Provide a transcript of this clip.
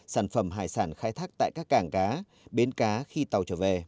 sản phẩm hải sản khai thác tại các cảng cá bến cá khi tàu trở về